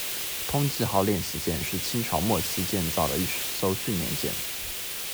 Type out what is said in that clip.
通济号练习舰是清朝末期建造的一艘训练舰。